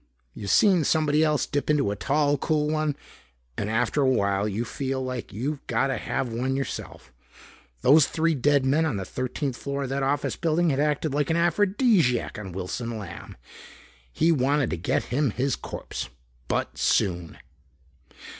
You've seen somebody else dip into a tall cool one and after a while you feel like you got to have one yourself. Those three dead men on the thirteenth floor of that office building had acted like an aphrodisiac on Wilson Lamb. He wanted to get him his corpse. But soon.